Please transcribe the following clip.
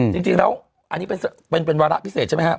จริงแล้วอันนี้เป็นวาระพิเศษใช่ไหมครับ